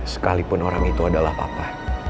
sekalipun orang itu adalah papa